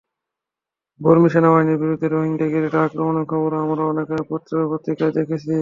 বর্মি সেনাবাহিনীর বিরুদ্ধে রোহিঙ্গা গেরিলাদের আক্রমণের খবরও আমরা অনেকবারই পত্রপত্রিকায় দেখেছি।